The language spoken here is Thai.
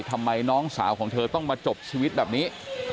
ทำไมน้องสาวของเธอต้องมาจบชีวิตแบบนี้